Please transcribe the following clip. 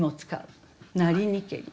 「なりにけり」。